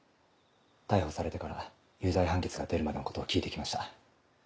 逮捕されてから有罪判決が出るまでのことを聞いて来ました。